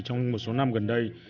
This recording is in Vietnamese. trong một số năm gần đây